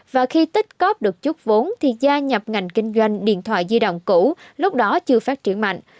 và khi tích cóp được chút vốn thì gia nhập ngành kinh doanh điện thoại di động cũ lúc đó chưa phát triển mạnh